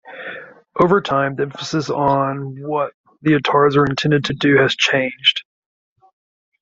Over time, the emphasis on what leotards are intended to do has changed.